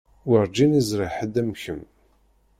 Werǧin i ẓriɣ ḥedd am kemm.